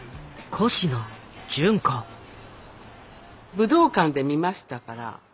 武道館で見ましたから。